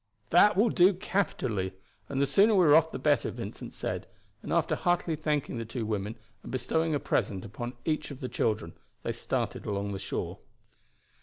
"That will do capitally, and the sooner we are off the better," Vincent said, and after heartily thanking the two women, and bestowing a present upon each of the children, they started along the shore.